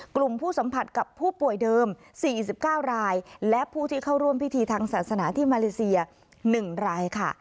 กลุ่มผู้สัมผัสกับผู้ป่วยเดิม๔๙รายและผู้ที่เข้าร่วมพิธีทางศาสนาที่มาเลเซีย๑รายค่ะ